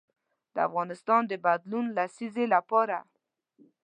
د افغانستان د بدلون لسیزې لپاره.